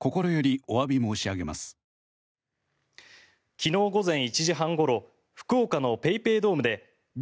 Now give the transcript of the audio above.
昨日午前１時半ごろ福岡のＰａｙＰａｙドームでＢ